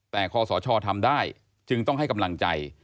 แต่คอสชทำได้จึงต้องให้กำลังใจ